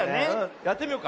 やってみようか。